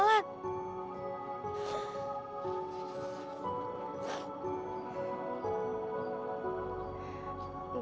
masih nungguin gue